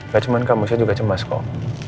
gak cuman kamu saya juga cemas kok